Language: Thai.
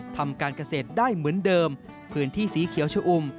ทำการเกษตรได้เหมือนเดิมพื้นที่สีเขียวชะอุ่ม